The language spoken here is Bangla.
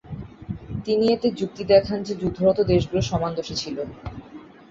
তিনি এতে যুক্তি দেখান যে যুদ্ধরত দেশগুলো সমান দোষী ছিল।